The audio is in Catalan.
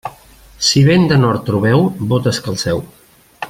Si vent de nord trobeu, botes calceu.